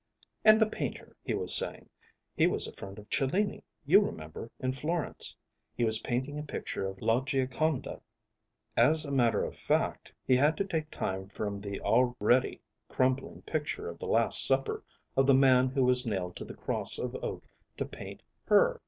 "And the painter," he was saying, "he was a friend of Cellini, you remember, in Florence. He was painting a picture of "La Gioconda." As a matter of fact, he had to take time from the already crumbling picture of "The Last Supper" of the man who was nailed to the cross of oak to paint her.